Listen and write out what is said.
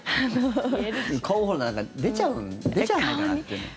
顔、ほら出ちゃう出ちゃわないかなっていうの。